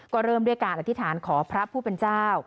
ก็เริ่มด้วยการอธิษฐานขอพระผู้เป็นเจ้า